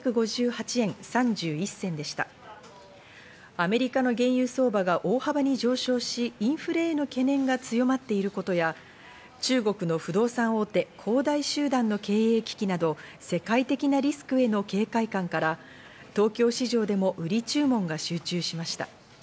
アメリカの原油相場が大幅に上昇し、インフレへの懸念が強まっていることや中国の不動産大手、恒大集団の経営危機などを世界的なリスクへの警戒感から東京市場でも売り注文が集中しました。